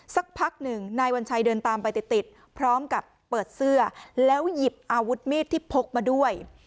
สักพักหนึ่งนายวัญชัยเดินตามไปติดติดพร้อมกับเปิดเสื้อแล้วหยิบอาวุธมีดที่พกมาด้วย